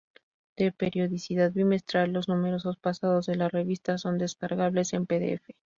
De periodicidad bimestral, los números pasados de la revista son descargables en pdf.